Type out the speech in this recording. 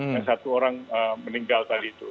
yang satu orang meninggal tadi itu